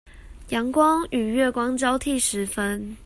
陽光與月光交替時分